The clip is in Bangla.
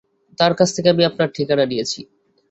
তার কাছ থেকেই আমি আপনার ঠিকানা নিয়েছি।